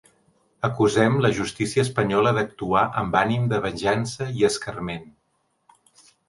Acusem la justícia espanyola d’actuar amb ànim de venjança i escarment.